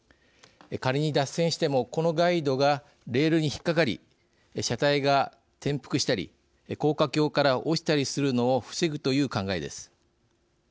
仮に脱線してもこのガイドがレールに引っかかり車体が転覆したり高架橋から落ちたりするのを防ぐという考えです。